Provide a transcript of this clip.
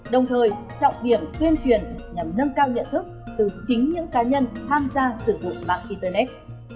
đồng thời trọng điểm tuyên truyền nhằm nâng cao nhận thức từ chính những cá nhân tham gia sử dụng mạng internet